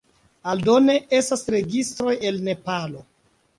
Aldone, estas registroj el Nepalo.